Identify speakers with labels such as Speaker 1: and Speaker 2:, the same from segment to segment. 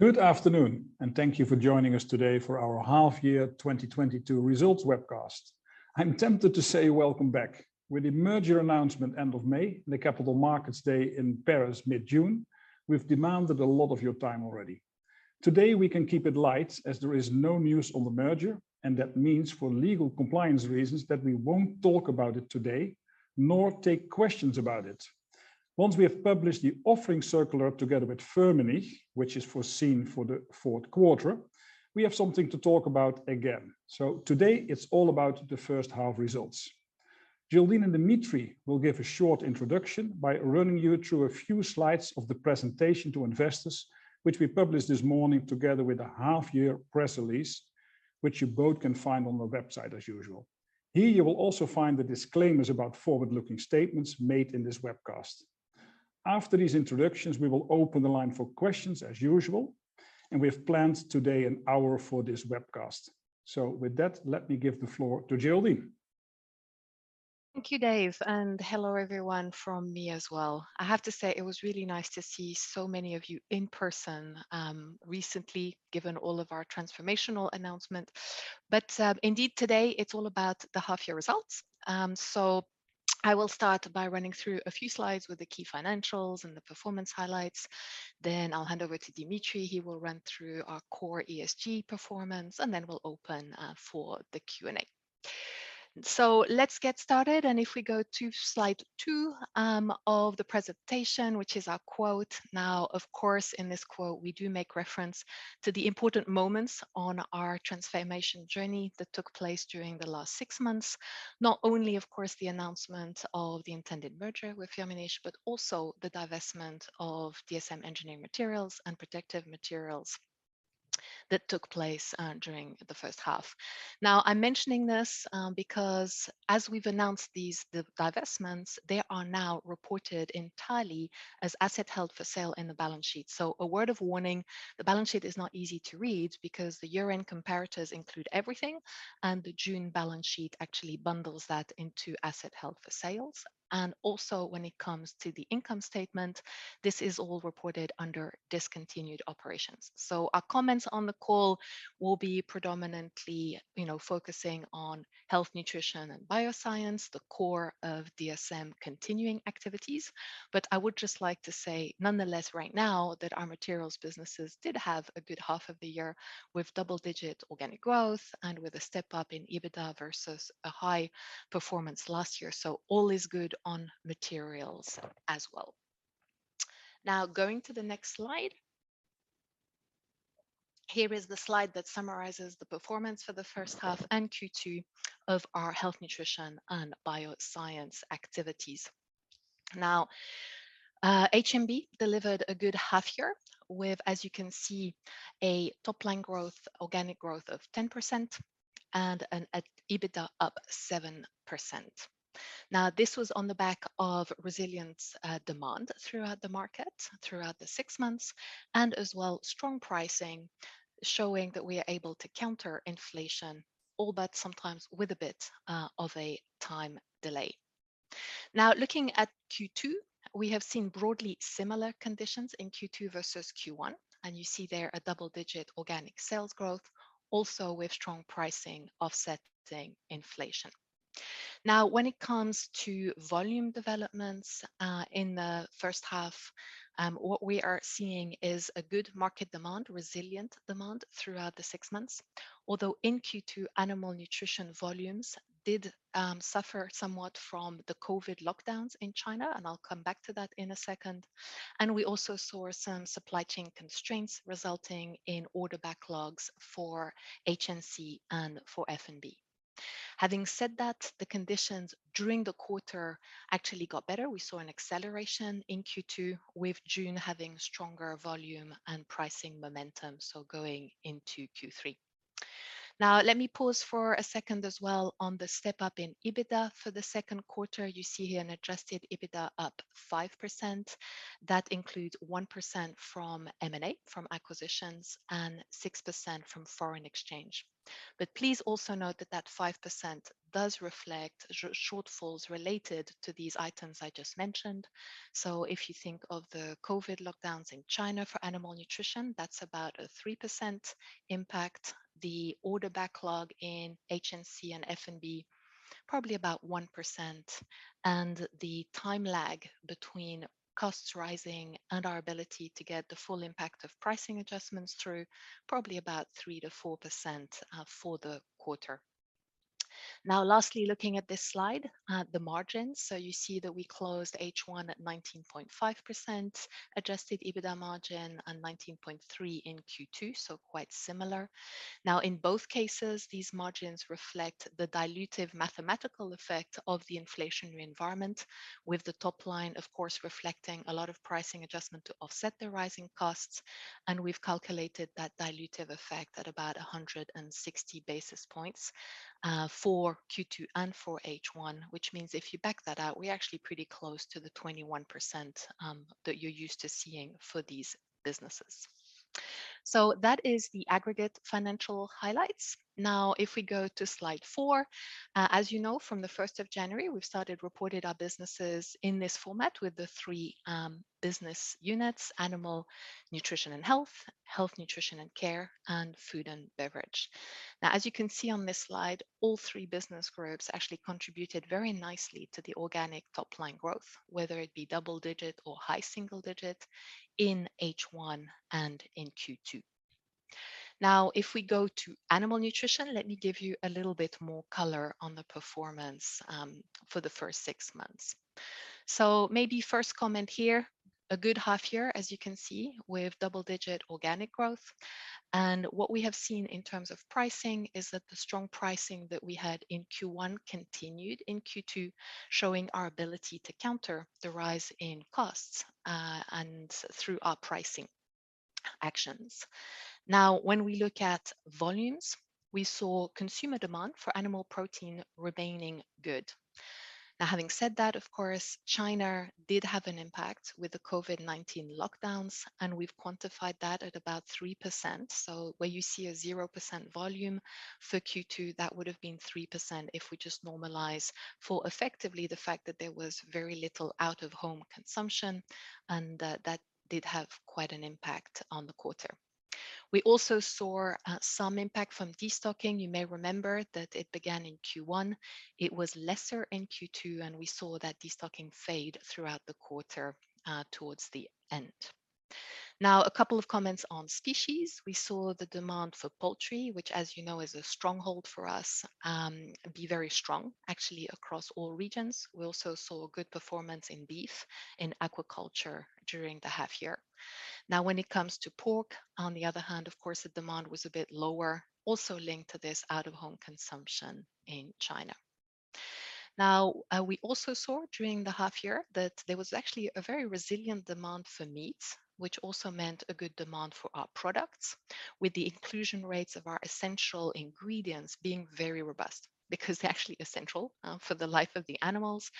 Speaker 1: Good afternoon, and thank you for joining us today for Our Half Year 2022 Results Webcast. I'm tempted to say welcome back. With the merger announcement end of May and the capital markets day in Paris mid-June, we've demanded a lot of your time already. Today, we can keep it light as there is no news on the merger, and that means for legal compliance reasons that we won't talk about it today, nor take questions about it. Once we have published the offering circular together with Firmenich, which is foreseen for the fourth quarter, we have something to talk about again. Today, it's all about the first half results. Geraldine and Dimitri will give a short introduction by running you through a few slides of the presentation to investors, which we published this morning together with a half year press release, which you both can find on the website as usual. Here, you will also find the disclaimers about forward-looking statements made in this webcast. After these introductions, we will open the line for questions as usual, and we have planned today an hour for this webcast. With that, let me give the floor to Geraldine.
Speaker 2: Thank you, Dave, and hello everyone from me as well. I have to say it was really nice to see so many of you in person recently, given all of our transformational announcement. Indeed today, it's all about the half year results. I will start by running through a few slides with the key financials and the performance highlights. Then I'll hand over to Dimitri. He will run through our core ESG performance, and then we'll open for the Q&A. Let's get started. If we go to slide two of the presentation, which is our quote. Now, of course, in this quote, we do make reference to the important moments on our transformation journey that took place during the last six months. Not only, of course, the announcement of the intended merger with Firmenich, but also the divestment of DSM Engineering Materials and Protective Materials that took place during the first half. Now, I'm mentioning this, because as we've announced these divestments, they are now reported entirely as assets held for sale in the balance sheet. A word of warning, the balance sheet is not easy to read because the year-end comparators include everything, and the June balance sheet actually bundles that into assets held for sale. Also when it comes to the income statement, this is all reported under discontinued operations. Our comments on the call will be predominantly, you know, focusing on Health, Nutrition, & Bioscience, the core of DSM continuing activities. I would just like to say, nonetheless, right now, that our materials businesses did have a good half of the year with double-digit organic growth and with a step-up in EBITDA versus a high performance last year. All is good on materials as well. Now going to the next slide. Here is the slide that summarizes the performance for the first half and Q2 of our Health, Nutrition, & Bioscience activities. Now, HNB delivered a good half year with, as you can see, a top-line growth, organic growth of 10% and EBITDA up 7%. Now, this was on the back of resilient demand throughout the market, throughout the six months, and as well, strong pricing, showing that we are able to counter inflation, albeit sometimes with a bit of a time delay. Now looking at Q2, we have seen broadly similar conditions in Q2 versus Q1, and you see there a double-digit organic sales growth, also with strong pricing offsetting inflation. Now, when it comes to volume developments, in the first half, what we are seeing is a good market demand, resilient demand throughout the six months. Although in Q2, animal nutrition volumes did suffer somewhat from the COVID lockdowns in China, and I'll come back to that in a second. We also saw some supply chain constraints resulting in order backlogs for H&C and for F&B. Having said that, the conditions during the quarter actually got better. We saw an acceleration in Q2 with June having stronger volume and pricing momentum, so going into Q3. Now, let me pause for a second as well on the step-up in EBITDA for the second quarter. You see here an adjusted EBITDA up 5%. That includes 1% from M&A, from acquisitions, and 6% from foreign exchange. Please also note that that 5% does reflect shortfalls related to these items I just mentioned. If you think of the COVID lockdowns in China for animal nutrition, that's about a 3% impact. The order backlog in HNC and F&B, probably about 1%. The time lag between costs rising and our ability to get the full impact of pricing adjustments through probably about 3%-4%, for the quarter. Now, lastly, looking at this slide, the margins. You see that we closed H1 at 19.5% adjusted EBITDA margin and 19.3% in Q2, so quite similar. Now, in both cases, these margins reflect the dilutive mathematical effect of the inflationary environment with the top line, of course, reflecting a lot of pricing adjustment to offset the rising costs. We've calculated that dilutive effect at about 160 basis points for Q2 and for H1, which means if you back that out, we're actually pretty close to the 21% that you're used to seeing for these businesses. That is the aggregate financial highlights. Now, if we go to slide four, as you know, from the first of January, we've started reporting our businesses in this format with the three business units, Animal Nutrition & Health, Nutrition & Care, and Food & Beverage. Now, as you can see on this slide, all three business groups actually contributed very nicely to the organic top-line growth, whether it be double-digit or high single-digit in H1 and in Q2. Now, if we go to Animal Nutrition, let me give you a little bit more color on the performance, for the first six months. Maybe first comment here, a good half year, as you can see, with double-digit organic growth. What we have seen in terms of pricing is that the strong pricing that we had in Q1 continued in Q2, showing our ability to counter the rise in costs, and through our pricing actions. Now, when we look at volumes, we saw consumer demand for animal protein remaining good. Now, having said that, of course, China did have an impact with the COVID-19 lockdowns, and we've quantified that at about 3%. Where you see a 0% volume for Q2, that would have been 3% if we just normalize for effectively the fact that there was very little out-of-home consumption, and that did have quite an impact on the quarter. We also saw some impact from destocking. You may remember that it began in Q1. It was lesser in Q2, and we saw that destocking fade throughout the quarter, towards the end. Now, a couple of comments on species. We saw the demand for poultry, which, as you know, is a stronghold for us, be very strong, actually, across all regions. We also saw good performance in beef and aquaculture during the half year. Now, when it comes to pork, on the other hand, of course, the demand was a bit lower, also linked to this out-of-home consumption in China. Now, we also saw during the half year that there was actually a very resilient demand for meats, which also meant a good demand for our products, with the inclusion rates of our essential ingredients being very robust because they're actually essential for the life of the animals.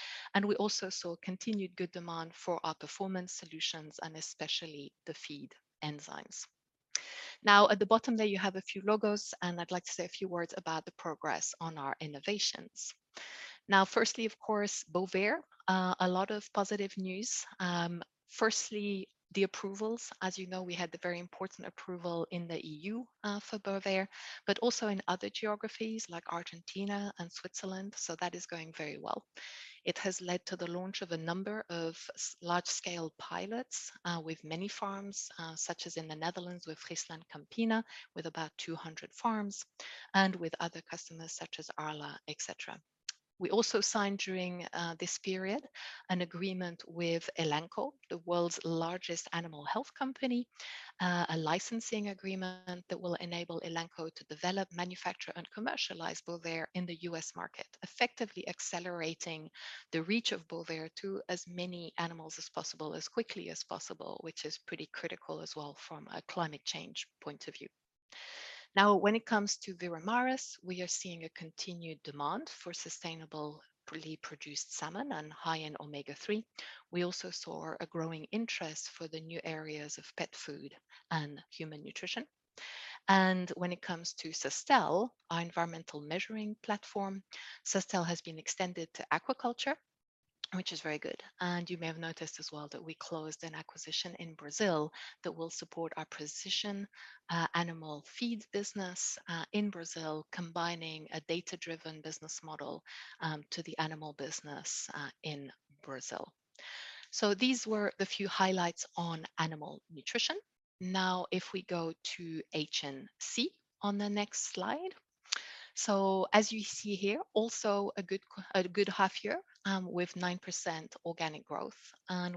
Speaker 2: We also saw continued good demand for our performance solutions and especially the feed enzymes. Now, at the bottom there, you have a few logos, and I'd like to say a few words about the progress on our innovations. Now, firstly, of course, Bovaer, a lot of positive news. Firstly, the approvals. As you know, we had the very important approval in the EU for Bovaer, but also in other geographies like Argentina and Switzerland. That is going very well. It has led to the launch of a number of large-scale pilots with many farms, such as in the Netherlands with FrieslandCampina, with about 200 farms, and with other customers such as Arla, et cetera. We also signed during this period an agreement with Elanco, the world's largest animal health company, a licensing agreement that will enable Elanco to develop, manufacture, and commercialize Bovaer in the US market, effectively accelerating the reach of Bovaer to as many animals as possible as quickly as possible, which is pretty critical as well from a climate change point of view. Now, when it comes to Veramaris, we are seeing a continued demand for sustainably produced salmon and high in omega-3. We also saw a growing interest for the new areas of pet food and human nutrition. When it comes to Sustell, our environmental measuring platform, Sustell has been extended to aquaculture, which is very good. You may have noticed as well that we closed an acquisition in Brazil that will support our precision animal feed business in Brazil, combining a data-driven business model to the animal business in Brazil. These were the few highlights on Animal Nutrition. Now, if we go to H&C on the next slide. As you see here, also a good half year with 9% organic growth.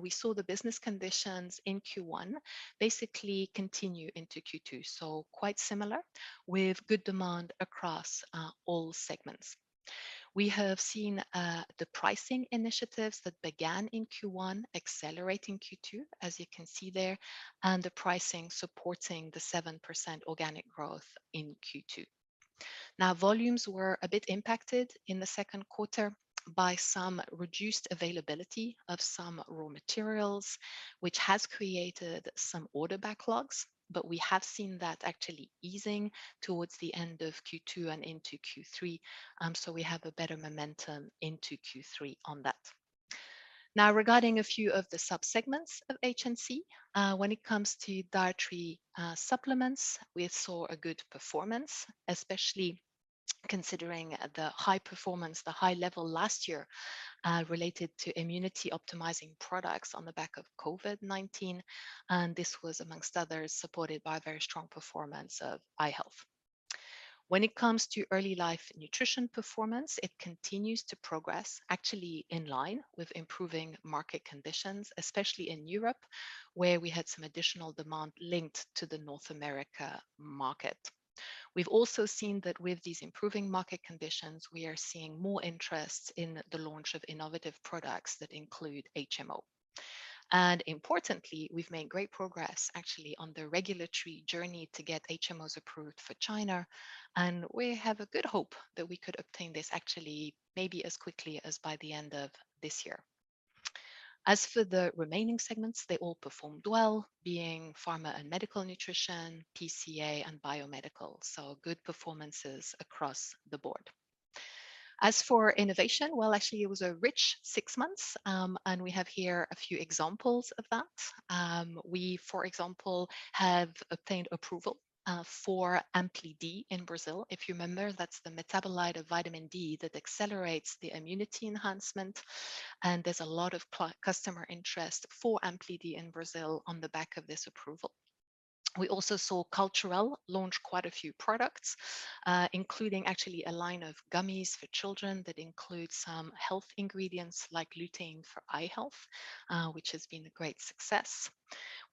Speaker 2: We saw the business conditions in Q1 basically continue into Q2. Quite similar with good demand across all segments. We have seen the pricing initiatives that began in Q1 accelerate in Q2, as you can see there, and the pricing supporting the 7% organic growth in Q2. Now, volumes were a bit impacted in the second quarter by some reduced availability of some raw materials, which has created some order backlogs, but we have seen that actually easing towards the end of Q2 and into Q3. We have a better momentum into Q3 on that. Now, regarding a few of the subsegments of H&C, when it comes to dietary supplements, we saw a good performance, especially considering the high performance, the high level last year, related to immunity optimizing products on the back of COVID-19. This was, amongst others, supported by very strong performance of eye health. When it comes to early life nutrition performance, it continues to progress actually in line with improving market conditions, especially in Europe, where we had some additional demand linked to the North America market. We've also seen that with these improving market conditions, we are seeing more interest in the launch of innovative products that include HMO. Importantly, we've made great progress actually on the regulatory journey to get HMOs approved for China, and we have a good hope that we could obtain this actually maybe as quickly as by the end of this year. As for the remaining segments, they all performed well, being pharma and medical nutrition, PCA, and biomedical. Good performances across the board. As for innovation, well, actually it was a rich six months, and we have here a few examples of that. We, for example, have obtained approval for ampli-D in Brazil. If you remember, that's the metabolite of vitamin D that accelerates the immunity enhancement, and there's a lot of customer interest for ampli-D in Brazil on the back of this approval. We also saw Culturelle launch quite a few products, including actually a line of gummies for children that include some health ingredients like lutein for eye health, which has been a great success.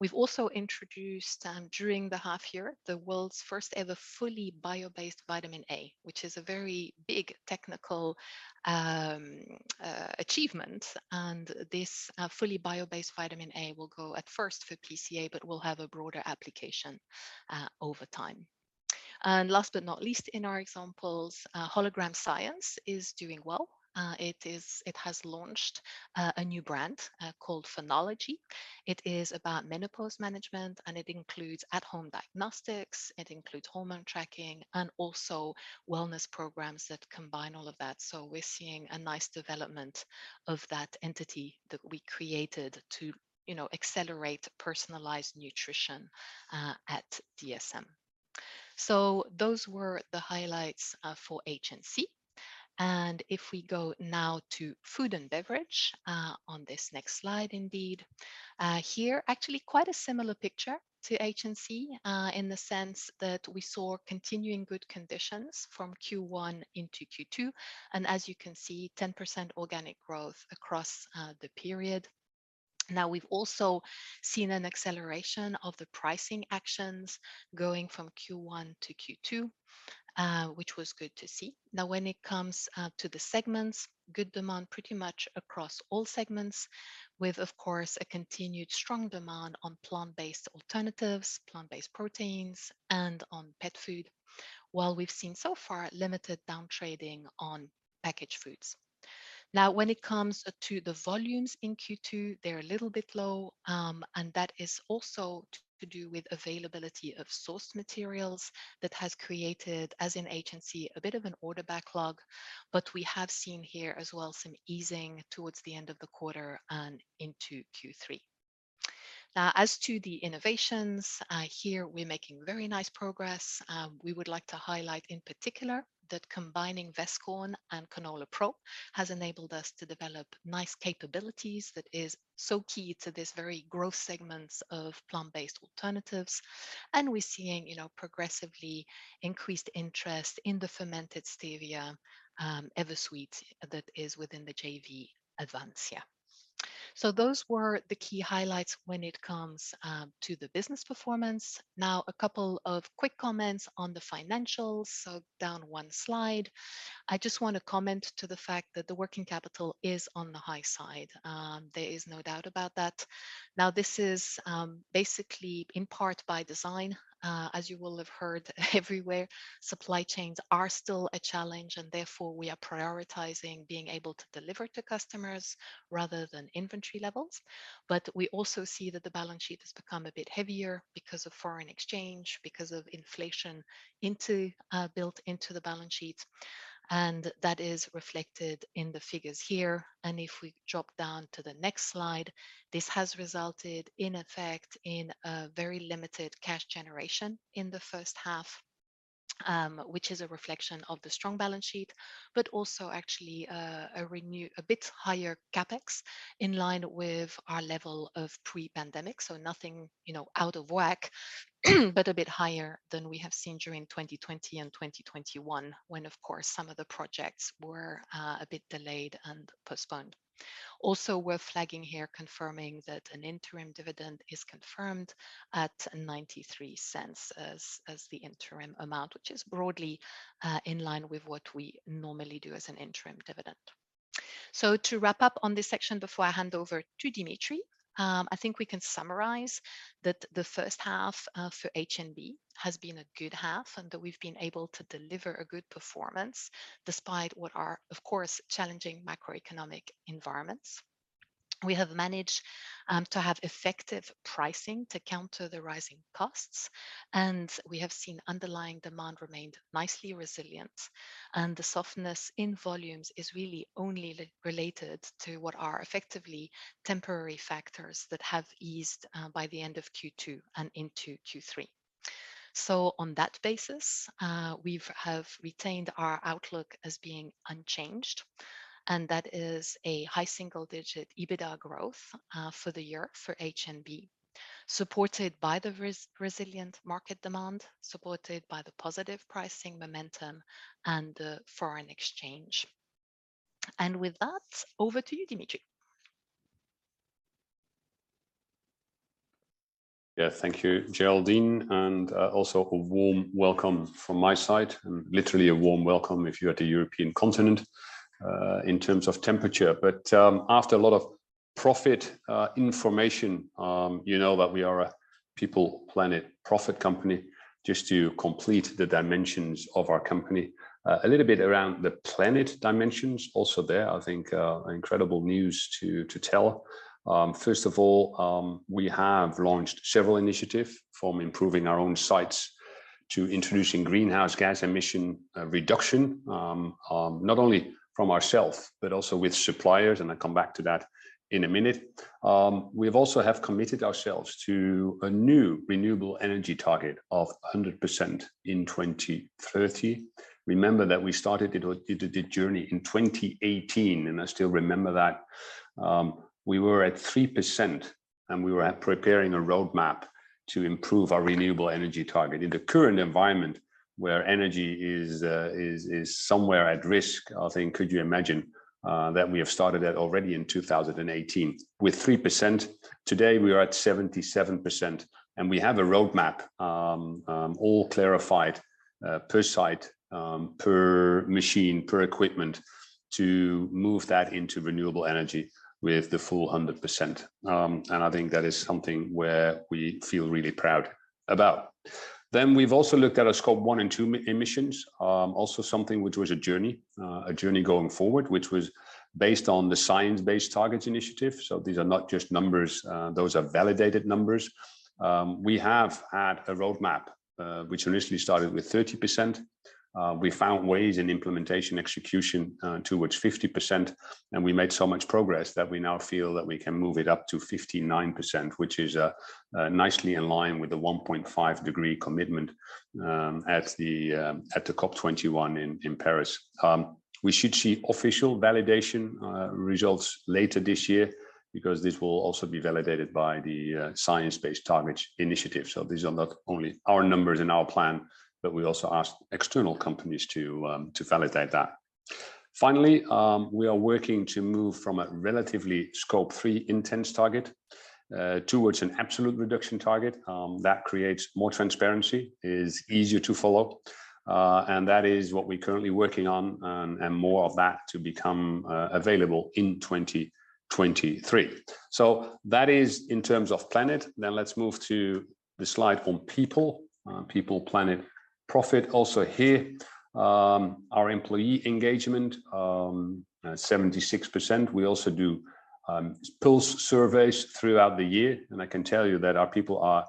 Speaker 2: We've also introduced during the half year the world's first-ever fully bio-based vitamin A, which is a very big technical achievement. This fully bio-based vitamin A will go at first for PCA, but will have a broader application over time. Last but not least in our examples, Hologram Sciences is doing well. It has launched a new brand called Phenology. It is about menopause management, and it includes at-home diagnostics, it includes hormone tracking, and also wellness programs that combine all of that. We're seeing a nice development of that entity that we created to, you know, accelerate personalized nutrition at DSM. Those were the highlights for H&C. If we go now to Food & Beverage on this next slide indeed. Here, actually quite a similar picture to H&C in the sense that we saw continuing good conditions from Q1 into Q2. As you can see, 10% organic growth across the period. Now, we've also seen an acceleration of the pricing actions going from Q1 to Q2, which was good to see. Now, when it comes to the segments, good demand pretty much across all segments with, of course, a continued strong demand on plant-based alternatives, plant-based proteins, and on pet food. While we've seen so far limited down trading on packaged foods. Now, when it comes to the volumes in Q2, they're a little bit low, and that is also to do with availability of sourced materials that has created, as in H&C, a bit of an order backlog. But we have seen here as well some easing towards the end of the quarter and into Q3. Now, as to the innovations, here we're making very nice progress. We would like to highlight in particular that combining Vestkorn and CanolaPRO has enabled us to develop nice capabilities that is so key to this very growth segments of plant-based alternatives. We're seeing, you know, progressively increased interest in the fermented stevia, EverSweet that is within the JV Avansya. Those were the key highlights when it comes to the business performance. Now, a couple of quick comments on the financials. Down one slide. I just want to comment on the fact that the working capital is on the high side. There is no doubt about that. Now, this is basically in part by design. As you will have heard everywhere, supply chains are still a challenge, and therefore we are prioritizing being able to deliver to customers rather than inventory levels. But we also see that the balance sheet has become a bit heavier because of foreign exchange, because of inflation built into the balance sheet, and that is reflected in the figures here. If we drop down to the next slide, this has resulted, in effect, in a very limited cash generation in the first half, which is a reflection of the strong balance sheet. Also actually, a bit higher CapEx in line with our level of pre-pandemic. Nothing, you know, out of whack, but a bit higher than we have seen during 2020 and 2021, when of course some of the projects were a bit delayed and postponed. Also, we're flagging here confirming that an interim dividend is confirmed at 0.93 as the interim amount, which is broadly in line with what we normally do as an interim dividend. To wrap up on this section before I hand over to Dimitri, I think we can summarize that the first half for HNB has been a good half and that we've been able to deliver a good performance despite what are, of course, challenging macroeconomic environments. We have managed to have effective pricing to counter the rising costs, and we have seen underlying demand remained nicely resilient, and the softness in volumes is really only related to what are effectively temporary factors that have eased by the end of Q2 and into Q3. On that basis, we've retained our outlook as being unchanged, and that is a high single-digit EBITDA growth for the year for HNB, supported by the resilient market demand, supported by the positive pricing momentum and the foreign exchange. With that, over to you, Dimitri.
Speaker 3: Yeah. Thank you, Geraldine, and also a warm welcome from my side, and literally a warm welcome if you're at the European continent, in terms of temperature. After a lot of Profit information. You know that we are a people, planet, profit company, just to complete the dimensions of our company. A little bit around the planet dimensions also there, I think, incredible news to tell. First of all, we have launched several initiative from improving our own sites to introducing greenhouse gas emission reduction, not only from ourself, but also with suppliers, and I come back to that in a minute. We've also have committed ourselves to a new renewable energy target of 100% in 2030. Remember that we started the journey in 2018, and I still remember that, we were at 3%, and we were at preparing a roadmap to improve our renewable energy target. In the current environment, where energy is somewhere at risk, I think you could imagine that we have started that already in 2018 with 3%. Today, we are at 77%, and we have a roadmap all clarified per site per machine per equipment to move that into renewable energy with the full 100%. I think that is something where we feel really proud about. We've also looked at our Scope 1 and 2 emissions, also something which was a journey going forward, which was based on the Science Based Targets initiative, so these are not just numbers. Those are validated numbers. We have had a roadmap which initially started with 30%. We found ways in implementation, execution, towards 50%, and we made so much progress that we now feel that we can move it up to 59%, which is nicely in line with the 1.5-degree commitment at the COP21 in Paris. We should see official validation results later this year because this will also be validated by the Science Based Targets initiative. These are not only our numbers and our plan, but we also ask external companies to validate that. Finally, we are working to move from a relatively Scope 3 intense target towards an absolute reduction target that creates more transparency, is easier to follow, and that is what we're currently working on, and more of that to become available in 2023. That is in terms of planet. Let's move to the slide on people. People, planet, profit. Also here, our employee engagement 76%. We also do pulse surveys throughout the year, and I can tell you that our people are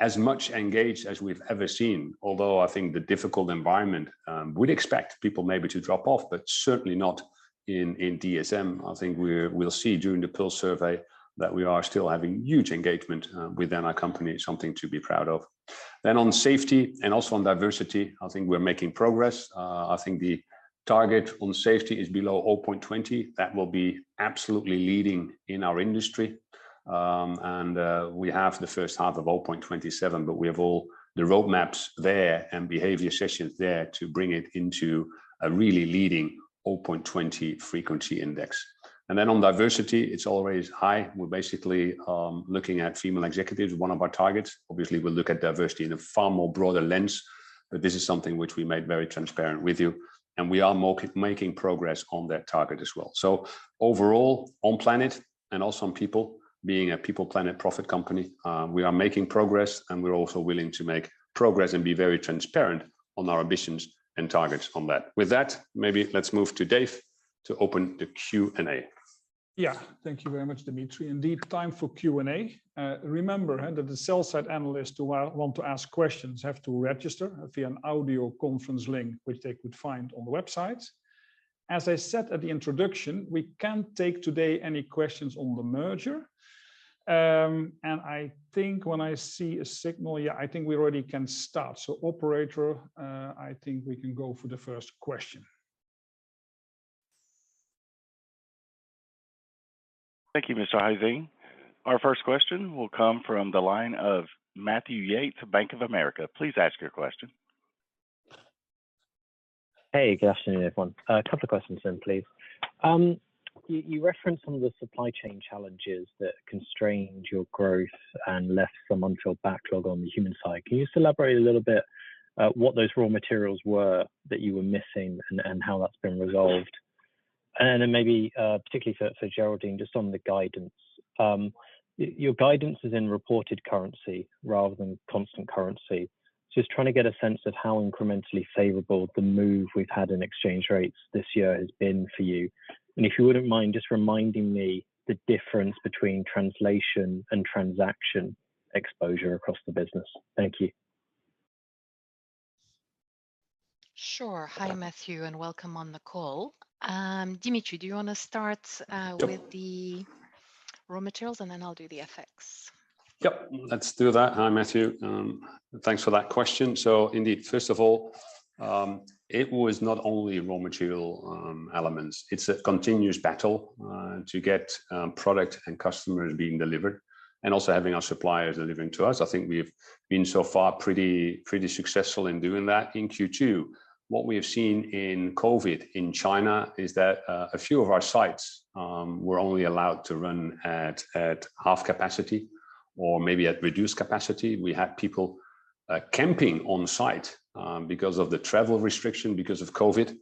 Speaker 3: as much engaged as we've ever seen. Although I think the difficult environment would expect people maybe to drop off, but certainly not in DSM. I think we'll see during the pulse survey that we are still having huge engagement within our company, something to be proud of. On safety and also on diversity, I think we're making progress. I think the target on safety is below 0.20. That will be absolutely leading in our industry. We have the first half of 0.27, but we have all the roadmaps there and behavior sessions there to bring it into a really leading 0.20 frequency index. Then on diversity, it's always high. We're basically looking at female executives, one of our targets. Obviously, we'll look at diversity in a far more broader lens, but this is something which we made very transparent with you, and we are making progress on that target as well. Overall, on planet and also on people, being a people, planet, profit company, we are making progress, and we're also willing to make progress and be very transparent on our ambitions and targets on that. With that, maybe let's move to Dave to open the Q&A.
Speaker 1: Yeah. Thank you very much, Dimitri. Indeed, time for Q&A. Remember that the sell-side analysts who want to ask questions have to register via an audio conference link, which they could find on the website. As I said at the introduction, we can't take today any questions on the merger. I think when I see a signal, yeah, I think we already can start. Operator, I think we can go for the first question.
Speaker 4: Thank you, Mr. Huizing. Our first question will come from the line of Matthew Yates, [from] Bank of America. Please ask your question.
Speaker 5: Hey, good afternoon, everyone. A couple of questions, please. You referenced some of the supply chain challenges that constrained your growth and left some untold backlog on the human side. Can you elaborate a little bit what those raw materials were that you were missing and how that's been resolved? Maybe, particularly for Geraldine, just on the guidance. Your guidance is in reported currency rather than constant currency. Just trying to get a sense of how incrementally favorable the move we've had in exchange rates this year has been for you. If you wouldn't mind just reminding me the difference between translation and transaction exposure across the business. Thank you.
Speaker 2: Sure. Hi, Matthew, and welcome on the call. Dimitri, do you want to start with the raw materials, and then I'll do the FX?
Speaker 3: Yep. Yep, let's do that. Hi, Matthew. Thanks for that question. Indeed, first of all, it was not only raw material elements. It's a continuous battle to get product and customers being delivered and also having our suppliers delivering to us. I think we've been so far pretty successful in doing that. In Q2, what we have seen in COVID in China is that a few of our sites were only allowed to run at half capacity or maybe at reduced capacity. We had people camping on site because of the travel restriction because of COVID.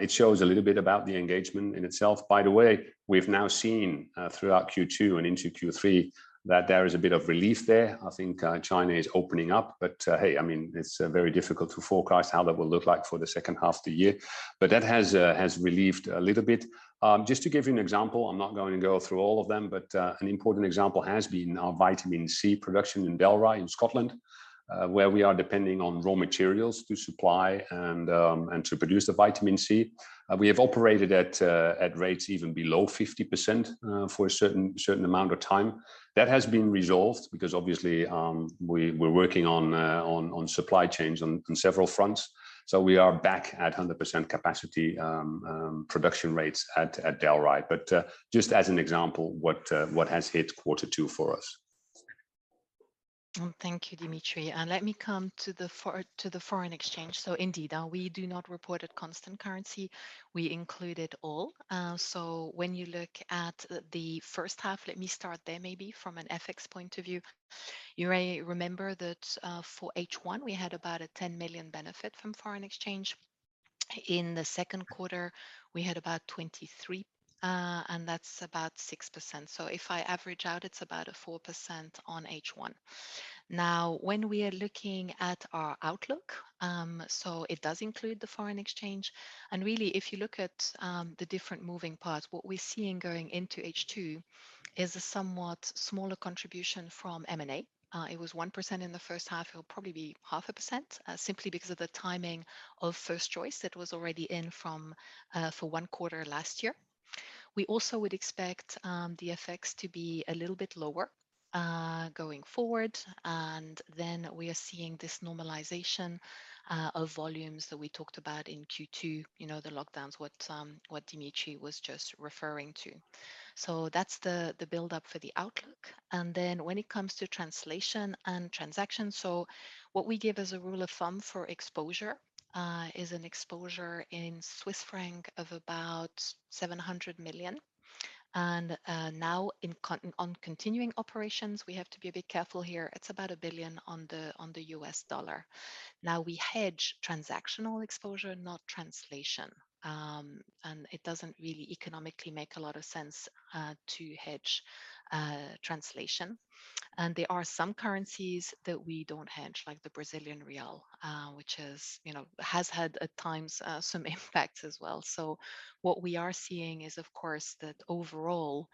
Speaker 3: It shows a little bit about the engagement in itself. By the way, we've now seen throughout Q2 and into Q3 that there is a bit of relief there. I think China is opening up, but hey, I mean, it's very difficult to forecast how that will look like for the second half of the year. That has relieved a little bit. Just to give you an example, I'm not going to go through all of them, but an important example has been our vitamin C production in Dalry in Scotland, where we are depending on raw materials to supply and to produce the vitamin C. We have operated at rates even below 50% for a certain amount of time. That has been resolved because obviously, we're working on supply chains on several fronts, so we are back at 100% capacity production rates at Dalry. Just as an example, what has hit quarter two for us?
Speaker 2: Thank you, Dimitri. Let me come to the foreign exchange. Indeed, we do not report at constant currency. We include it all. When you look at the first half, let me start there maybe from an FX point of view. You remember that, for H1, we had about a 10 million benefit from foreign exchange. In the second quarter, we had about 23 million, and that's about 6%. If I average out, it's about 4% on H1. Now, when we are looking at our outlook, it does include the foreign exchange. Really, if you look at the different moving parts, what we're seeing going into H2 is a somewhat smaller contribution from M&A. It was 1% in the first half. It'll probably be half a percent, simply because of the timing of First Choice that was already in from for one quarter last year. We also would expect the effects to be a little bit lower going forward. We are seeing this normalization of volumes that we talked about in Q2, you know, the lockdowns, what Dimitri was just referring to. That's the build-up for the outlook. When it comes to translation and transaction, what we give as a rule of thumb for exposure is an exposure in Swiss francs of about 700 million. Now on continuing operations, we have to be a bit careful here. It's about $1 billion on the US dollar. We hedge transactional exposure, not translation. It doesn't really economically make a lot of sense to hedge translation. There are some currencies that we don't hedge, like the Brazilian real, which is, you know, has had at times some effects as well. What we are seeing is, of course, that overall,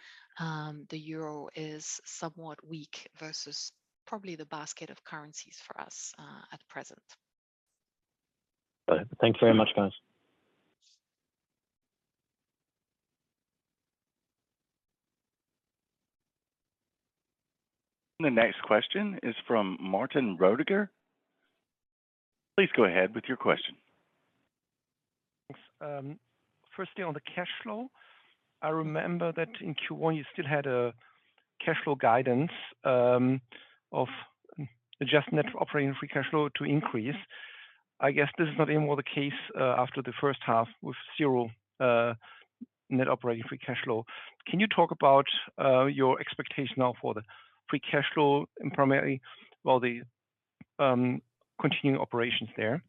Speaker 2: the euro is somewhat weak versus probably the basket of currencies for us at present.
Speaker 5: Thanks very much, guys.
Speaker 4: The next question is from Martin Roediger. Please go ahead with your question.
Speaker 6: Thanks. Firstly, on the cash flow, I remember that in Q1, you still had a cash flow guidance of adjusted net operating free cash flow to increase. I guess this is not anymore the case after the first half with 0 net operating free cash flow. Can you talk about your expectation now for the free cash flow and primarily for the continuing operations there?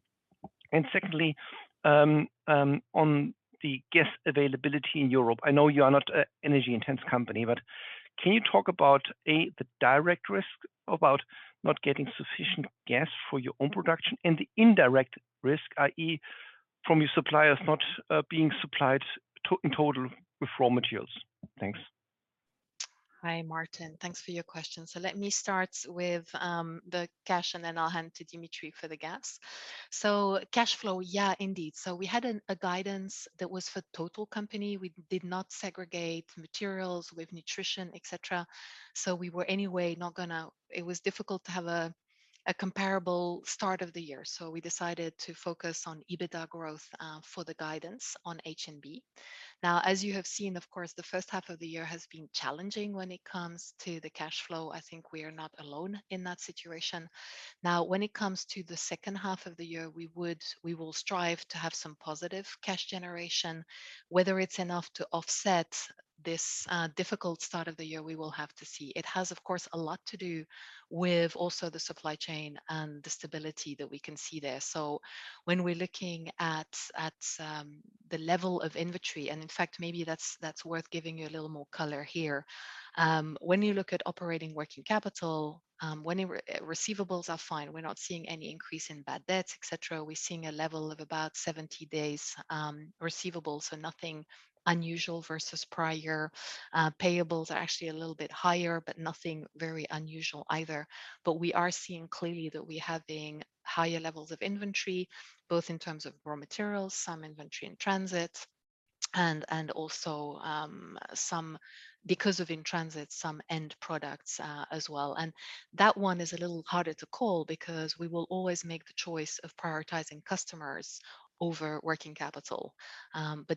Speaker 6: Secondly, on the gas availability in Europe, I know you are not an energy-intensive company, but can you talk about a, the direct risk about not getting sufficient gas for your own production and the indirect risk, i.e., from your suppliers not being supplied in total with raw materials? Thanks.
Speaker 2: Hi, Martin. Thanks for your question. Let me start with the cash, and then I'll hand to Dimitri for the CapEx. Cash flow, yeah, indeed. We had a guidance that was for total company. We did not segregate materials with nutrition, et cetera. We were anyway not gonna. It was difficult to have a comparable start of the year. We decided to focus on EBITDA growth for the guidance on HNB. Now, as you have seen, of course, the first half of the year has been challenging when it comes to the cash flow. I think we are not alone in that situation. Now, when it comes to the second half of the year, we will strive to have some positive cash generation. Whether it's enough to offset this difficult start of the year, we will have to see. It has, of course, a lot to do with also the supply chain and the stability that we can see there. When we're looking at the level of inventory, and in fact, maybe that's worth giving you a little more color here. When you look at operating working capital, when receivables are fine, we're not seeing any increase in bad debts, et cetera. We're seeing a level of about 70 days receivables, so nothing unusual versus prior. Payables are actually a little bit higher, but nothing very unusual either. We are seeing clearly that we have been higher levels of inventory, both in terms of raw materials, some inventory in transit, and also some because of in transit, some end products, as well. That one is a little harder to call because we will always make the choice of prioritizing customers over working capital.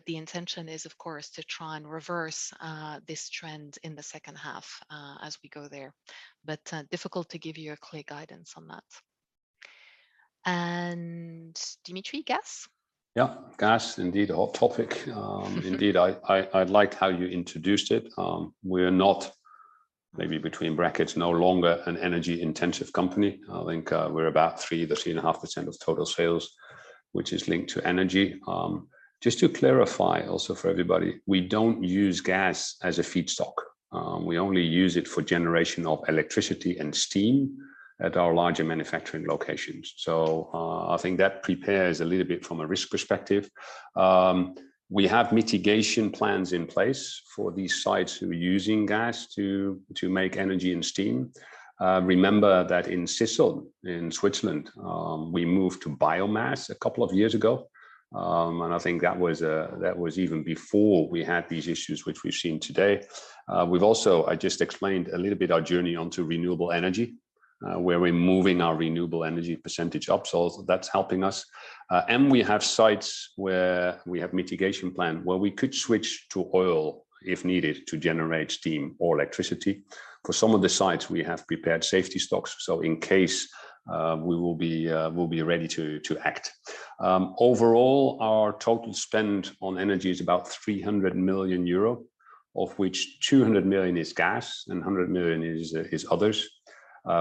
Speaker 2: The intention is, of course, to try and reverse this trend in the second half, as we go there. Difficult to give you a clear guidance on that. Dimitri, gas?
Speaker 3: Yeah, gas indeed. A hot topic, indeed. I liked how you introduced it. We're not maybe between brackets no longer an energy intensive company. I think, we're about 3%-3.5% of total sales, which is linked to energy. Just to clarify also for everybody, we don't use gas as a feedstock. We only use it for generation of electricity and steam at our larger manufacturing locations. I think that prepares a little bit from a risk perspective. We have mitigation plans in place for these sites who are using gas to make energy and steam. Remember that in Sisseln in Switzerland, we moved to biomass a couple of years ago. I think that was even before we had these issues, which we've seen today. We've also... I just explained a little bit our journey onto renewable energy, where we're moving our renewable energy percentage up, so that's helping us. We have sites where we have mitigation plan where we could switch to oil if needed to generate steam or electricity. For some of the sites, we have prepared safety stocks, so in case we'll be ready to act. Overall, our total spend on energy is about 300 million euro, of which 200 million is gas and 100 million is others.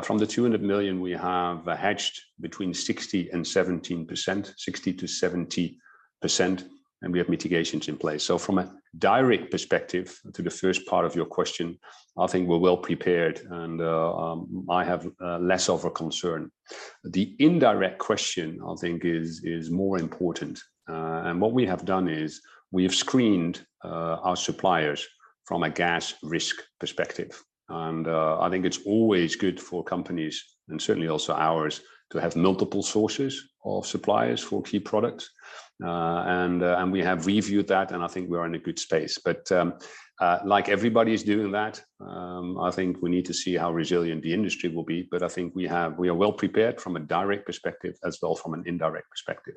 Speaker 3: From the 200 million we have hedged 60%-70%, and we have mitigations in place. From a direct perspective to the first part of your question, I think we're well prepared and I have less of a concern. The indirect question I think is more important. What we have done is we have screened our suppliers from a gas risk perspective. I think it's always good for companies and certainly also ours to have multiple sources of suppliers for key products. We have reviewed that, and I think we're in a good space. Like everybody's doing that, I think we need to see how resilient the industry will be. We are well prepared from a direct perspective as well from an indirect perspective.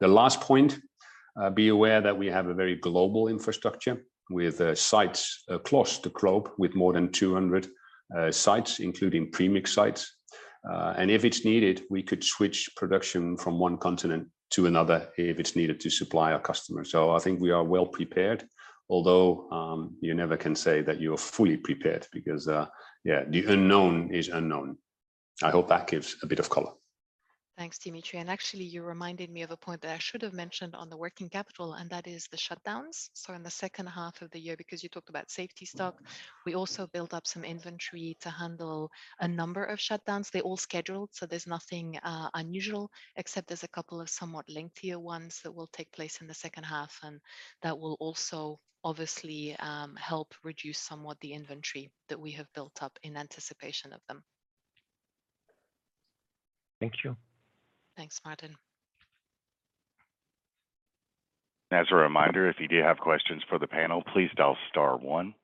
Speaker 3: The last point, be aware that we have a very global infrastructure with sites across the globe with more than 200 sites including premix sites. If it's needed, we could switch production from one continent to another if it's needed to supply our customers. I think we are well prepared, although, you never can say that you are fully prepared because, yeah, the unknown is unknown. I hope that gives a bit of color.
Speaker 2: Thanks, Dimitri. Actually you reminded me of a point that I should have mentioned on the working capital, and that is the shutdowns. In the second half of the year, because you talked about safety stock, we also built up some inventory to handle a number of shutdowns. They're all scheduled, so there's nothing unusual except there's a couple of somewhat lengthier ones that will take place in the second half. That will also obviously help reduce somewhat the inventory that we have built up in anticipation of them.
Speaker 6: Thank you.
Speaker 2: Thanks, Martin.
Speaker 4: As a reminder, if you do have questions for the panel, please dial star one.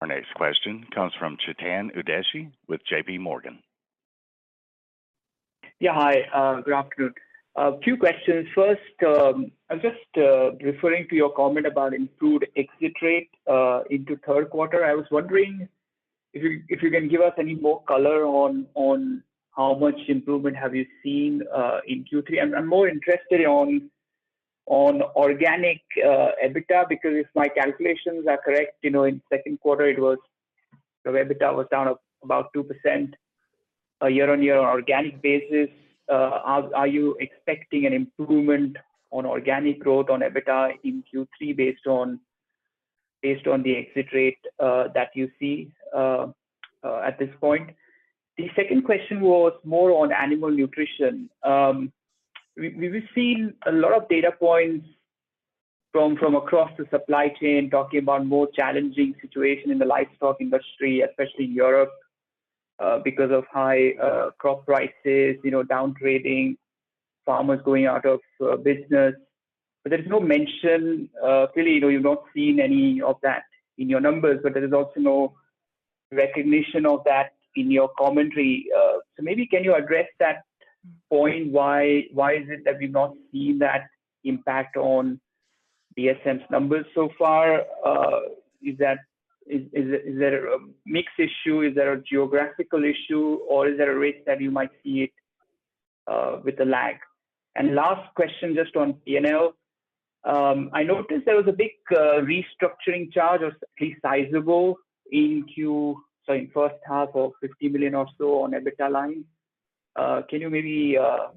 Speaker 4: Our next question comes from Chetan Udeshi with JPMorgan.
Speaker 7: Yeah. Hi, good afternoon. A few questions. First, I was just referring to your comment about improved exit rate into third quarter. I was wondering if you can give us any more color on how much improvement have you seen in Q3? I'm more interested on organic EBITDA because if my calculations are correct, you know, in second quarter it was the EBITDA was down about 2% year-on-year organic basis. Are you expecting an improvement on organic growth on EBITDA in Q3 based on the exit rate that you see at this point? The second question was more on animal nutrition. We've seen a lot of data points from across the supply chain talking about a more challenging situation in the livestock industry, especially Europe, because of high crop prices, you know, downgrading, farmers going out of business. There's no mention clearly, you know, you've not seen any of that in your numbers, but there is also no recognition of that in your commentary. Maybe can you address that point? Why is it that we've not seen that impact on DSM's numbers so far? Is there a mix issue? Is there a geographical issue, or is there a risk that you might see it with a lag? Last question, just on P&L. I noticed there was a big restructuring charge or at least sizable in Q... Sorry, in first half of 50 million or so on EBITDA line. Can you maybe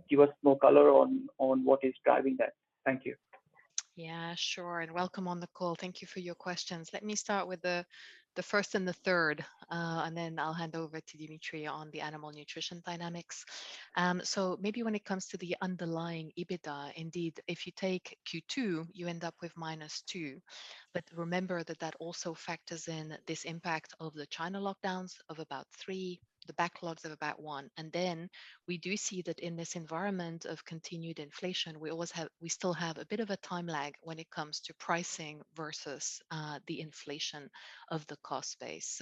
Speaker 7: give us more color on what is driving that? Thank you.
Speaker 2: Yeah, sure. Welcome on the call. Thank you for your questions. Let me start with the first and the third, and then I'll hand over to Dimitri on the animal nutrition dynamics. Maybe when it comes to the underlying EBITDA, indeed, if you take Q2, you end up with -2%. Remember that also factors in this impact of the China lockdowns of about 3%, the backlogs of about 1%. Then we do see that in this environment of continued inflation, we still have a bit of a time lag when it comes to pricing versus the inflation of the cost base.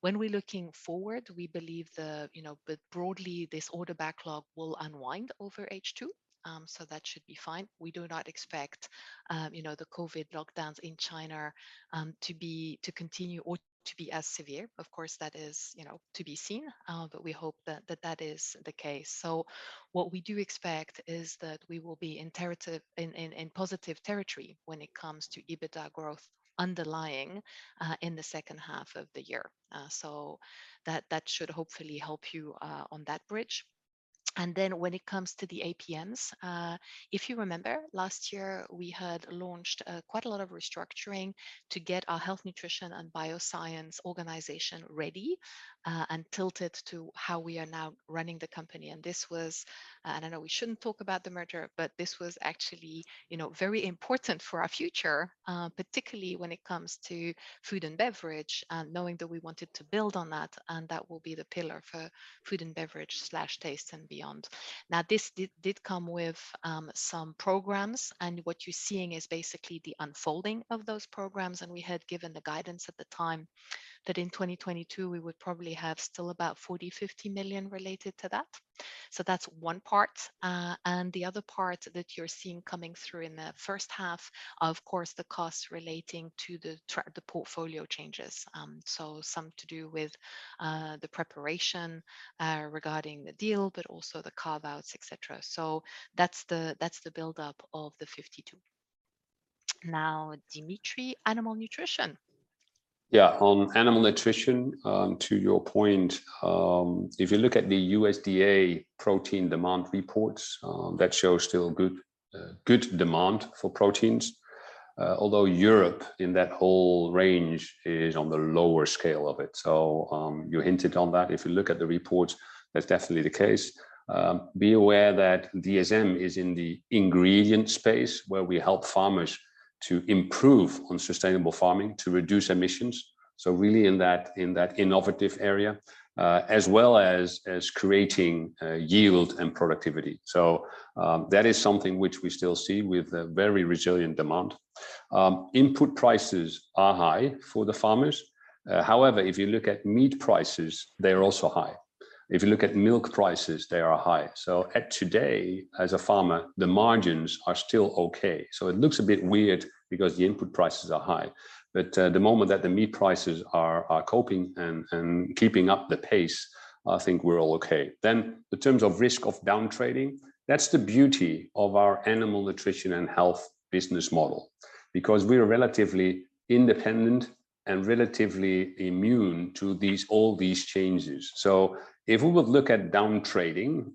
Speaker 2: When we're looking forward, we believe, you know, but broadly this order backlog will unwind over H2. That should be fine. We do not expect the COVID lockdowns in China to continue or to be as severe. Of course that is to be seen, but we hope that that is the case. What we do expect is that we will be in positive territory when it comes to EBITDA growth underlying in the second half of the year. That should hopefully help you on that bridge. Then when it comes to the APMs, if you remember last year, we had launched quite a lot of restructuring to get our Health, Nutrition & Biosciences organization ready, and tilted to how we are now running the company. This was I know we shouldn't talk about the merger, but this was actually, you know, very important for our future, particularly when it comes to Food & Beverage, and knowing that we wanted to build on that, and that will be the pillar for Food & Beverage slash Taste and beyond. Now, this did come with some programs, and what you're seeing is basically the unfolding of those programs. We had given the guidance at the time that in 2022 we would probably have still about 40 million-50 million related to that. That's one part. The other part that you're seeing coming through in the first half, of course, the costs relating to the portfolio changes. Some to do with the preparation regarding the deal, but also the carve-outs, et cetera. That's the buildup of the 52. Now, Dimitri, Animal Nutrition.
Speaker 3: Yeah. On Animal Nutrition, to your point, if you look at the USDA protein demand reports, that show still good demand for proteins, although Europe in that whole range is on the lower scale of it. You hinted on that. If you look at the reports, that's definitely the case. Be aware that DSM is in the ingredient space where we help farmers to improve on sustainable farming to reduce emissions, so really in that innovative area, as well as creating yield and productivity. That is something which we still see with a very resilient demand. Input prices are high for the farmers. However, if you look at meat prices, they are also high. If you look at milk prices, they are high. As of today, as a farmer, the margins are still okay. It looks a bit weird because the input prices are high. The moment that the meat prices are coping and keeping up the pace, I think we're all okay. In terms of risk of downtrading, that's the beauty of our Animal Nutrition & Health business model, because we are relatively independent and relatively immune to these all these changes. If we would look at downtrading,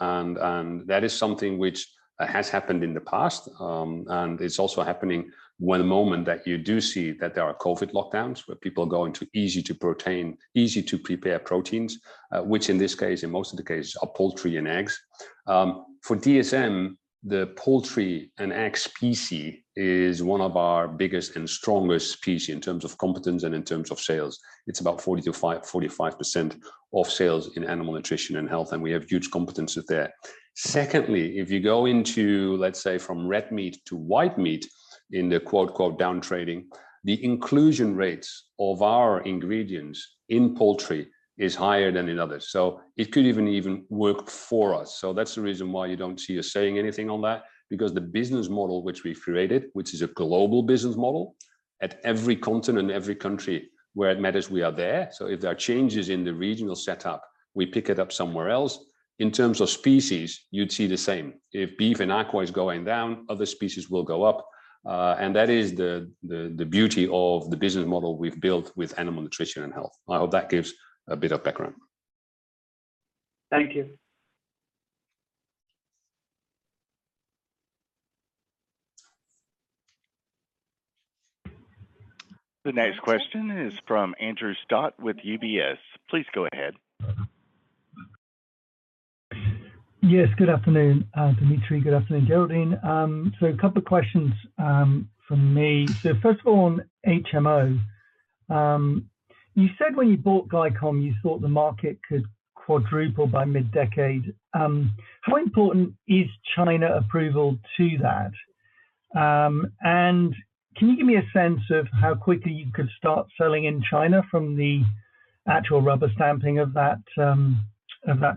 Speaker 3: and that is something which has happened in the past, and it's also happening at the moment that you do see that there are COVID lockdowns, where people are going to easy-to-prepare proteins, which in this case, in most of the cases, are poultry and eggs. For DSM, the poultry and eggs PC is one of our biggest and strongest PC in terms of competence and in terms of sales. It's about 45% of sales in Animal Nutrition & Health, and we have huge competence there. Secondly, if you go into, let's say, from red meat to white meat in the quote downtrading, the inclusion rates of our ingredients in poultry is higher than in others, so it could even work for us. That's the reason why you don't see us saying anything on that, because the business model which we've created, which is a global business model, at every continent, every country where it matters, we are there. If there are changes in the regional setup, we pick it up somewhere else. In terms of species, you'd see the same. If beef and aqua is going down, other species will go up. That is the beauty of the business model we've built with Animal Nutrition & Health. I hope that gives a bit of background.
Speaker 7: Thank you.
Speaker 4: The next question is from Andrew Stott with UBS. Please go ahead.
Speaker 8: Yes. Good afternoon, Dimitri. Good afternoon, Geraldine. A couple of questions from me. First of all, on HMO, you said when you bought Glycom, you thought the market could quadruple by mid-decade. How important is China approval to that? And can you give me a sense of how quickly you could start selling in China from the actual rubber stamping of that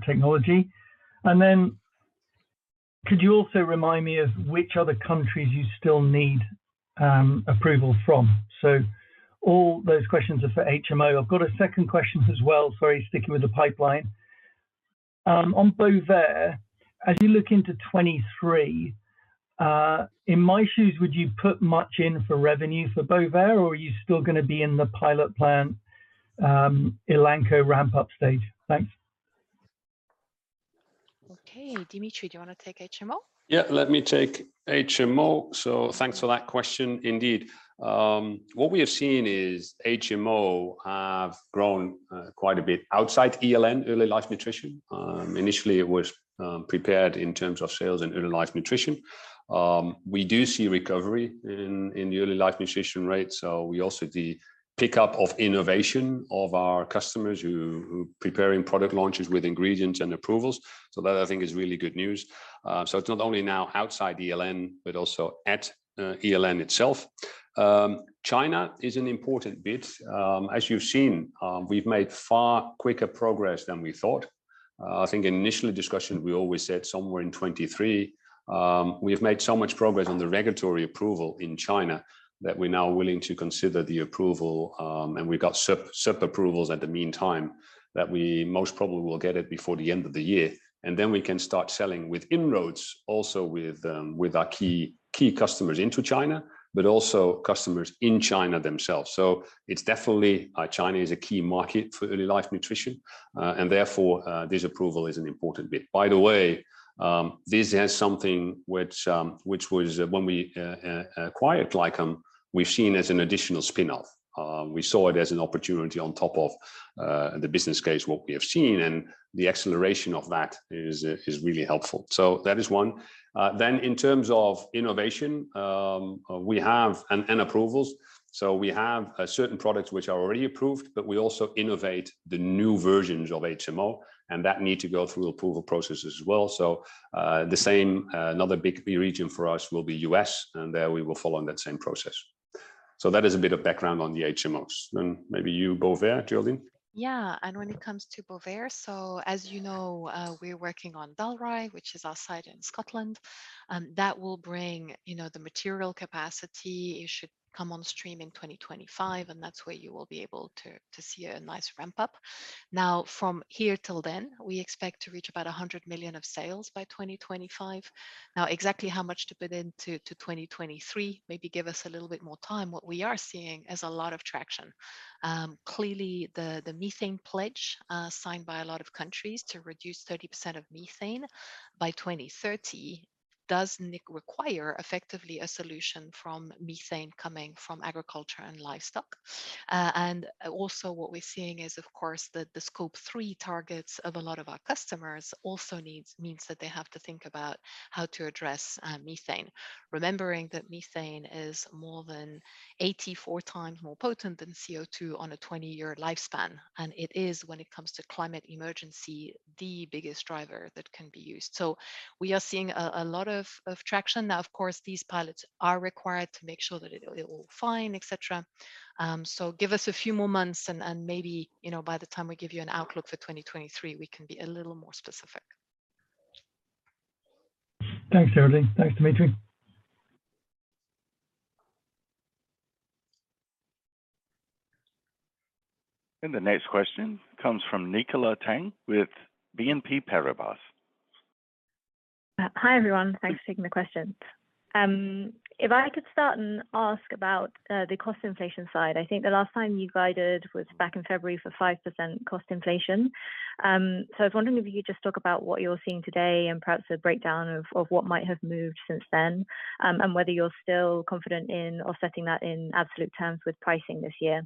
Speaker 8: technology? And then could you also remind me of which other countries you still need approval from? All those questions are for HMO. I've got a second question as well, sorry, sticking with the pipeline. On Bovaer, as you look into 2023, in my shoes, would you put much in for revenue for Bovaer, or are you still gonna be in the pilot plant, Elanco ramp-up stage? Thanks.
Speaker 2: Okay. Dimitri, do you want to take HMO?
Speaker 3: Yeah, let me take HMO. Thanks for that question indeed. What we have seen is HMO have grown quite a bit outside ELN, Early Life Nutrition. Initially it was prepared in terms of sales in Early Life Nutrition. We do see recovery in the Early Life Nutrition rate, so we also see pick-up of innovation of our customers who preparing product launches with ingredients and approvals. That I think is really good news. It's not only now outside ELN, but also at ELN itself. China is an important bit. As you've seen, we've made far quicker progress than we thought. I think in initial discussion we always said somewhere in 2023. We have made so much progress on the regulatory approval in China that we're now willing to consider the approval, and we got separate approvals in the meantime that we most probably will get it before the end of the year, and then we can start selling with inroads also with our key customers into China, but also customers in China themselves. It's definitely China is a key market for early life nutrition, and therefore this approval is an important bit. By the way, this has something which was when we acquired Glycom. We've seen as an additional spin-off. We saw it as an opportunity on top of the business case what we have seen, and the acceleration of that is really helpful. That is one. In terms of innovation, we have approvals. We have certain products which are already approved, but we also innovate the new versions of HMO, and that need to go through approval process as well. The same, another big region for us will be U.S., and there we will follow on that same process. That is a bit of background on the HMOs. Maybe you, Bovaer, Geraldine.
Speaker 2: Yeah. When it comes to Bovaer, as you know, we're working on Dalry, which is our site in Scotland, and that will bring the material capacity. It should come on stream in 2025, and that's where you will be able to see a nice ramp up. Now, from here till then, we expect to reach about 100 million of sales by 2025. Now, exactly how much to put into 2023, maybe give us a little bit more time. What we are seeing is a lot of traction. Clearly the Global Methane Pledge signed by a lot of countries to reduce 30% of methane by 2030 does require effectively a solution from methane coming from agriculture and livestock. Also what we're seeing is, of course, that the Scope 3 targets of a lot of our customers also means that they have to think about how to address methane. Remembering that methane is more than 84 times more potent than CO2 on a 20-year lifespan. It is, when it comes to climate emergency, the biggest driver that can be used. We are seeing a lot of traction. Now, of course, these pilots are required to make sure that it will work fine, et cetera. Give us a few more months and maybe, you know, by the time we give you an outlook for 2023, we can be a little more specific.
Speaker 8: Thanks, Geraldine. Thanks, Dimitri.
Speaker 4: The next question comes from Nicola Tang with BNP Paribas.
Speaker 9: Hi, everyone. Thanks for taking the question. If I could start and ask about the cost inflation side. I think the last time you guided was back in February for 5% cost inflation. I was wondering if you could just talk about what you're seeing today and perhaps a breakdown of what might have moved since then, and whether you're still confident in offsetting that in absolute terms with pricing this year.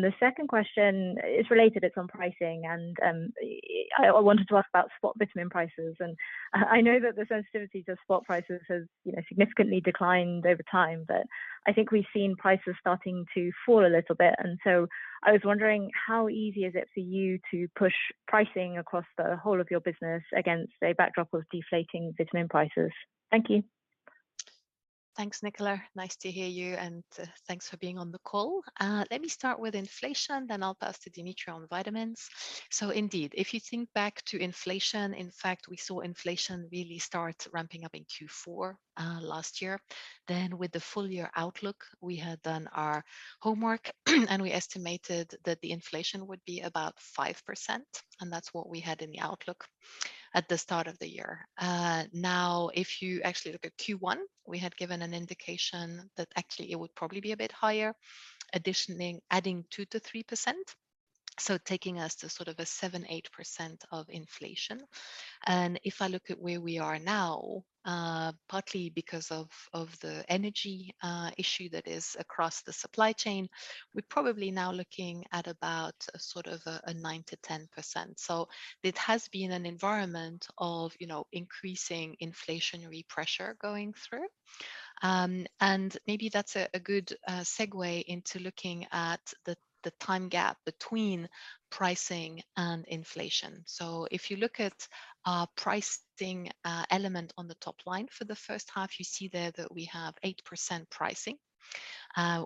Speaker 9: The second question is related, it's on pricing, and I wanted to ask about spot vitamin prices. I know that the sensitivity to spot prices has, you know, significantly declined over time, but I think we've seen prices starting to fall a little bit. I was wondering how easy is it for you to push pricing across the whole of your business against a backdrop of deflating vitamin prices? Thank you.
Speaker 2: Thanks, Nicola. Nice to hear you, and thanks for being on the call. Let me start with inflation, then I'll pass to Dimitri on vitamins. Indeed, if you think back to inflation, in fact, we saw inflation really start ramping up in Q4 last year. With the full year outlook, we had done our homework, and we estimated that the inflation would be about 5%, and that's what we had in the outlook at the start of the year. Now, if you actually look at Q1, we had given an indication that actually it would probably be a bit higher, adding 2%-3%, so taking us to sort of a 7%-8% inflation. If I look at where we are now, partly because of the energy issue that is across the supply chain, we're probably now looking at about 9%-10%. It has been an environment of, you know, increasing inflationary pressure going through. Maybe that's a good segue into looking at the time gap between pricing and inflation. If you look at our pricing element on the top line for the first half, you see there that we have 8% pricing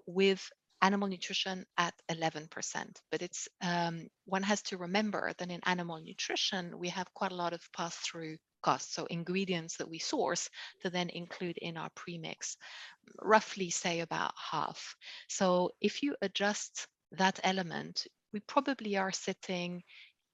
Speaker 2: with animal nutrition at 11%. It's one has to remember that in animal nutrition we have quite a lot of pass-through costs. Ingredients that we source to then include in our premix, roughly say about half. If you adjust that element, we probably are sitting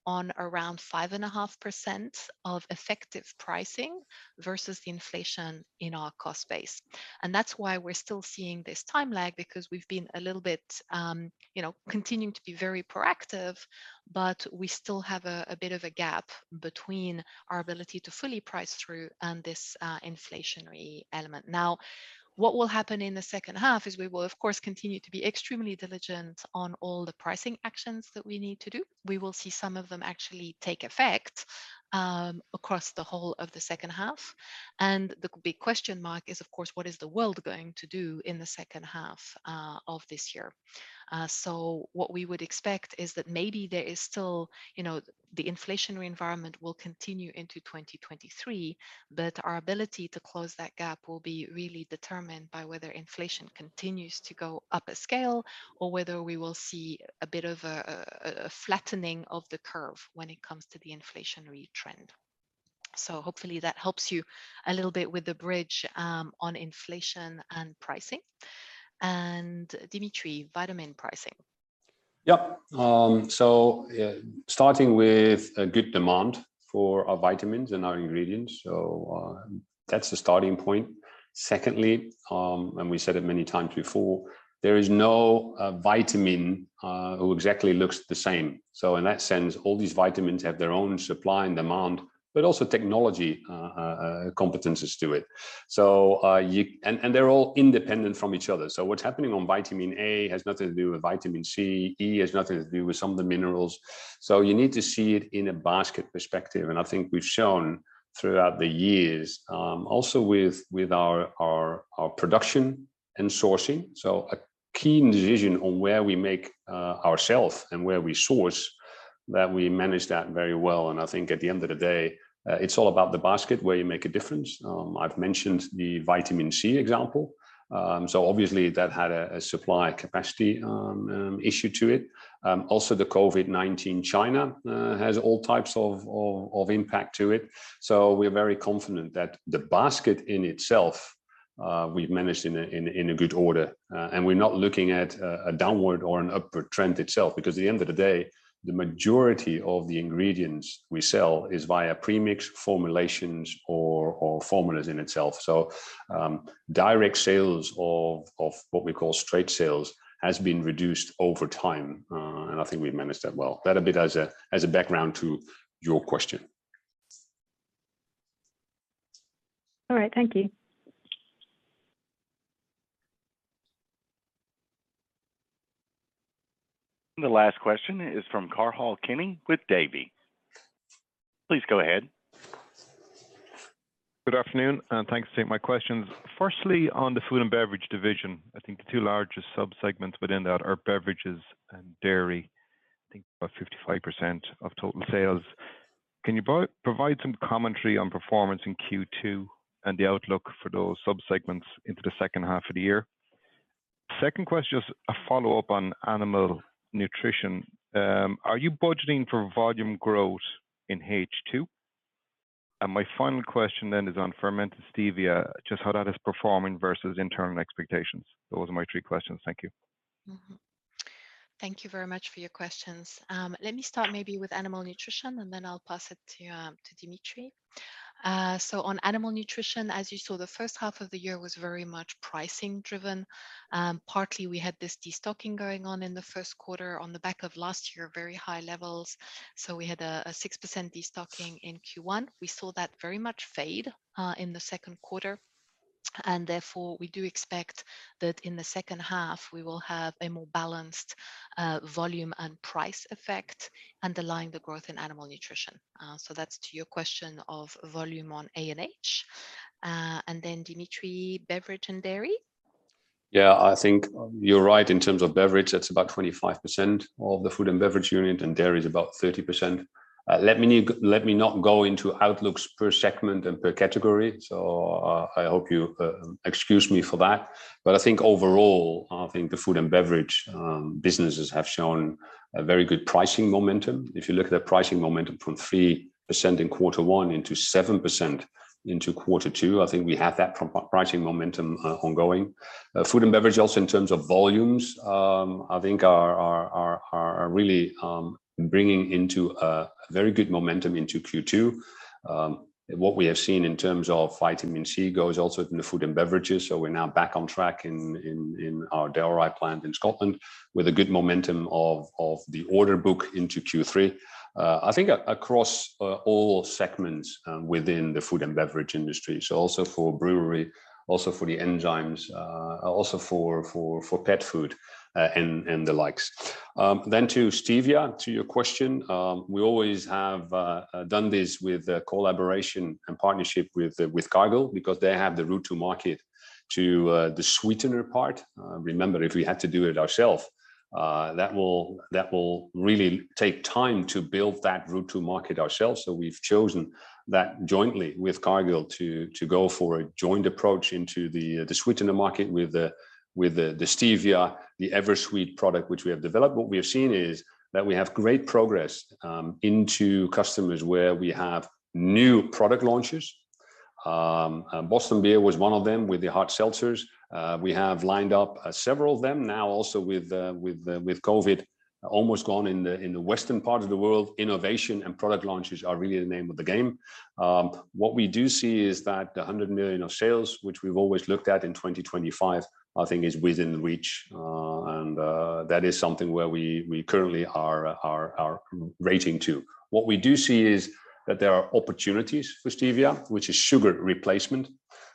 Speaker 2: on around 5.5% of effective pricing versus the inflation in our cost base. That's why we're still seeing this time lag, because we've been a little bit, you know, continuing to be very proactive, but we still have a bit of a gap between our ability to fully price through on this inflationary element. Now, what will happen in the second half is we will, of course, continue to be extremely diligent on all the pricing actions that we need to do. We will see some of them actually take effect across the whole of the second half. The big question mark is, of course, what is the world going to do in the second half of this year? What we would expect is that maybe there is still, you know, the inflationary environment will continue into 2023, but our ability to close that gap will be really determined by whether inflation continues to go up a scale or whether we will see a bit of a flattening of the curve when it comes to the inflationary trend. Hopefully that helps you a little bit with the bridge on inflation and pricing. Dimitri, vitamin pricing.
Speaker 3: Yep. Starting with a good demand for our vitamins and our ingredients. That's the starting point. Secondly, we said it many times before, there is no vitamin who exactly looks the same. In that sense, all these vitamins have their own supply and demand, but also technology competencies to it. They're all independent from each other. What's happening on vitamin A has nothing to do with vitamin C. Vitamin E has nothing to do with some of the minerals. You need to see it in a basket perspective, and I think we've shown throughout the years also with our production and sourcing. A keen decision on where we make ourselves and where we source that we manage that very well, and I think at the end of the day, it's all about the basket where you make a difference. I've mentioned the vitamin C example. Obviously that had a supply capacity issue to it. Also the COVID-19 China has all types of impact to it. We're very confident that the basket in itself we've managed in a good order, and we're not looking at a downward or an upward trend itself because at the end of the day, the majority of the ingredients we sell is via premix formulations or formulas in itself. Direct sales of what we call straight sales has been reduced over time, and I think we've managed that well. That's a bit of a background to your question.
Speaker 9: All right. Thank you.
Speaker 1: The last question is from Cathal Kenny with Davy. Please go ahead.
Speaker 10: Good afternoon, and thanks, team. My question's firstly on the Food & Beverage division. I think the two largest subsegments within that are beverages and dairy. I think about 55% of total sales. Can you provide some commentary on performance in Q2 and the outlook for those subsegments into the second half of the year? Second question is a follow-up on animal nutrition. Are you budgeting for volume growth in H2? And my final question then is on fermented stevia, just how that is performing versus internal expectations. Those are my 3 questions. Thank you.
Speaker 2: Thank you very much for your questions. Let me start maybe with animal nutrition, and then I'll pass it to Dimitri. On animal nutrition, as you saw, the first half of the year was very much pricing driven. Partly we had this de-stocking going on in the first quarter on the back of last year, very high levels. We had a 6% de-stocking in Q1. We saw that very much fade in the second quarter, and therefore we do expect that in the second half we will have a more balanced volume and price effect underlying the growth in animal nutrition. That's to your question of volume on ANH. And then Dimitri, beverage and dairy?
Speaker 3: Yeah. I think you're right in terms of beverage. That's about 25% of the Food and Beverage unit, and dairy is about 30%. Let me not go into outlooks per segment and per category, so I hope you excuse me for that. I think overall, I think the Food and Beverage businesses have shown a very good pricing momentum. If you look at the pricing momentum from 3% in quarter one into 7% into quarter two, I think we have that pricing momentum ongoing. Food and Beverage also in terms of volumes, I think are really bringing into a very good momentum into Q2. What we have seen in terms of vitamin C goes also in the food and beverage, so we're now back on track in our Dalry plant in Scotland with a good momentum of the order book into Q3. I think across all segments within the food and beverage industry, so also for brewery, also for the enzymes, also for pet food, and the likes. Then to stevia, to your question, we always have done this with a collaboration and partnership with Cargill because they have the route to market to the sweetener part. Remember, if we had to do it ourselves, that will really take time to build that route to market ourselves, so we've chosen that jointly with Cargill to go for a joint approach into the sweetener market with the stevia, the EverSweet product which we have developed. What we have seen is that we have great progress into customers where we have new product launches. Boston Beer was one of them with the hard seltzers. We have lined up several of them now also with COVID almost gone in the western part of the world, innovation and product launches are really the name of the game. What we do see is that the 100 million of sales, which we've always looked at in 2025, I think is within reach, and that is something where we currently are aiming to. What we do see is that there are opportunities for stevia, which is sugar replacement,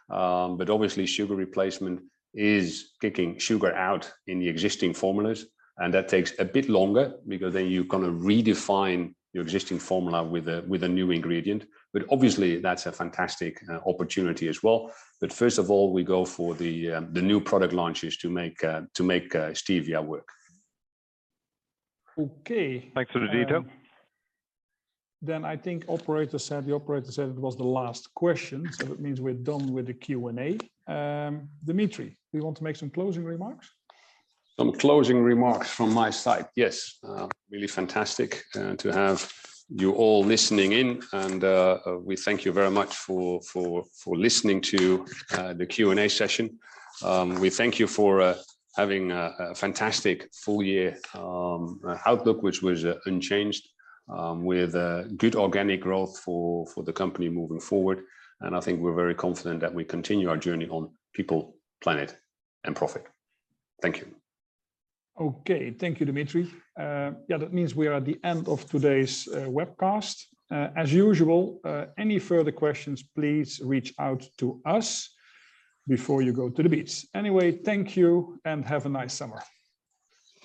Speaker 3: but obviously sugar replacement is kicking sugar out in the existing formulas, and that takes a bit longer because then you've got to redefine your existing formula with a new ingredient. Obviously that's a fantastic opportunity as well. First of all, we go for the new product launches to make stevia work.
Speaker 1: Okay.
Speaker 10: Thanks for the detail.
Speaker 1: I think the operator said it was the last question, so that means we're done with the Q&A. Dimitri, you want to make some closing remarks?
Speaker 3: Some closing remarks from my side. Yes. Really fantastic to have you all listening in and we thank you very much for listening to the Q&A session. We thank you for having a fantastic full year outlook, which was unchanged with good organic growth for the company moving forward, and I think we're very confident that we continue our journey on people, planet, and profit. Thank you.
Speaker 1: Okay. Thank you, Dimitri. Yeah, that means we are at the end of today's webcast. As usual, any further questions, please reach out to us before you go to the beach. Anyway, thank you, and have a nice summer.